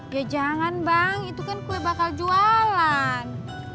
ya jangan bang itu kan kue bakal jualan